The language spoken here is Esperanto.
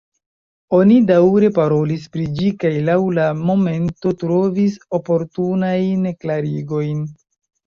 Oni daŭre parolis pri ĝi kaj laŭ la momento trovis oportunajn klarigojn.